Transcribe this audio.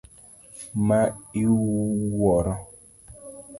Ma iwuoro.